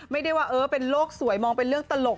ไม่ได้ว่าเออเป็นโลกสวยมองเป็นเรื่องตลก